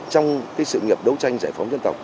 trong sự nghiệp đấu tranh giải phóng dân tộc